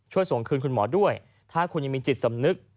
ส่งคืนคุณหมอด้วยถ้าคุณยังมีจิตสำนึก